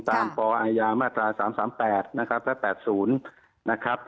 ตามปอมาตรา๓๓๘และ๘๐